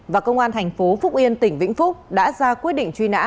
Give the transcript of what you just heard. và công an tp phúc yên tỉnh vĩnh phúc đã ra quyết định truy nã